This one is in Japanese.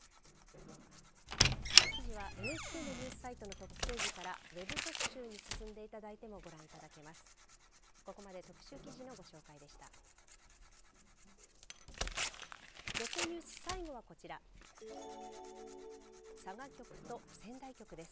記事はＮＨＫのニュースサイトのトップページからＷＥＢ特集に進んでいただいてもご覧いただけます。